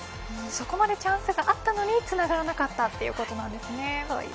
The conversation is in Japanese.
そこまでチャンスがあったのにつながらなかったんですね。